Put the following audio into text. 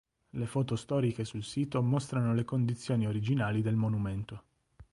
Le foto storiche sul sito mostrano le condizioni originali del monumento.